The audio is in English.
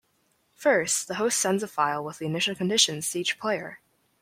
First, the host sends a file with the initial conditions to each player.